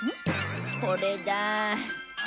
これだあ。